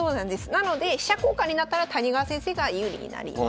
なので飛車交換になったら谷川先生が有利になります。